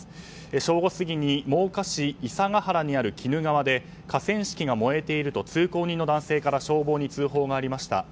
正午過ぎに真岡市砂ケ原にある鬼怒川で河川敷が燃えていると通行人の男性から消防に通報がありました。